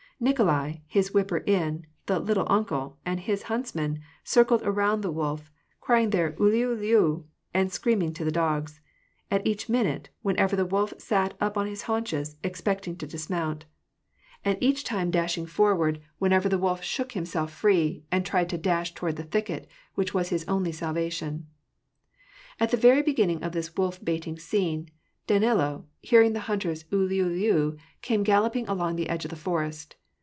Nikolai, his whipper in, the " little uncle," and his hunts men, circled around the wolf, crying their ulhdiu, and scream ing to the dogs ; at each minute, whenever the wolf sat up on his haunches, expecting to dismoimt ; and each time dashing 262 WAR AND PEACE. forward, whenever the wolf shook himself free, and tried to dash toward the thicket, which was his only salvation. At the very beginning of this wolf baiting scene, Danilo, hearing the hunters' uUuUu, came galloping along the edge of the forest.